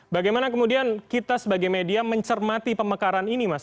bagaimana kemudian kita sebagai media mencermati pemekaran ini mas